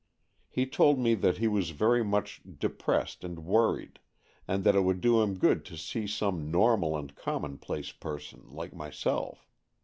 He told me that he was very much depressed and worried, and that it would do him good to see some normal and commonplace person like myself.